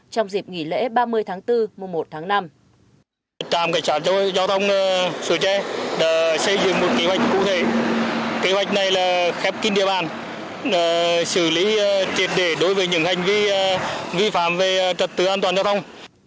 trong dịp nghỉ lễ ba mươi tháng bốn mùa một tháng năm